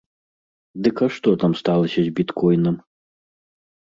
Дык а што там сталася з біткойнам?